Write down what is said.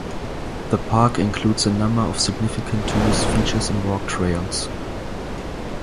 The park includes a number of significant tourist features and walk trails.